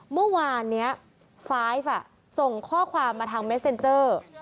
เมื่อวานนี้ไฟล์ฟส่งข้อความมาทางเมสเซ็นเจอร์